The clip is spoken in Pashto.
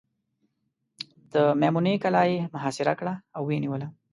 د مېمنې کلا یې محاصره کړه او ویې نیوله.